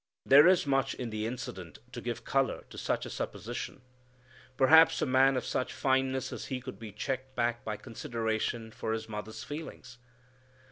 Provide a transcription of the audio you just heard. There is much in the incident to give color to such a supposition. Perhaps a man of such fineness as He could be checked back by consideration for His mother's feelings.